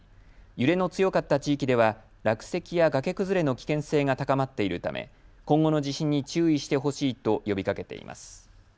揺れの強かった地域では落石や崖崩れの危険性が高まっているため今後の地震に注意してほしいと呼びかけています。